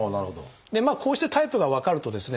こうしてタイプが分かるとですね